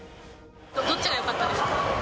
どっちがよかったですか？